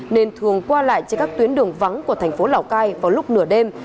nên thường qua lại trên các tuyến đường vắng của tp lào cai vào lúc nửa đêm